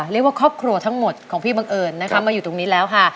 เรียกว่าครอบครัวทั้งหมดของพี่บังเอิญนะคะมาอยู่ตรงนี้แล้วค่ะ